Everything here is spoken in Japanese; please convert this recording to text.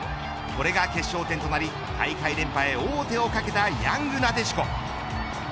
これが決勝点となり大会連覇へ王手をかけたヤングなでしこ。